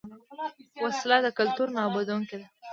وسله د کلتور نابودوونکې ده